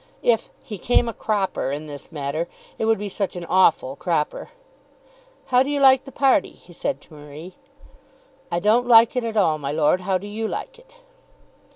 If "he came a cropper" in this matter, it would be such an awful cropper! "How do you like the party?" he said to Marie. "I don't like it at all, my lord. How do you like it?"